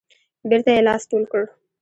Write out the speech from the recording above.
بیرته یې لاس ټول کړ.